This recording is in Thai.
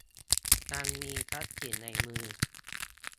ยังมีทรัพย์สินในมือ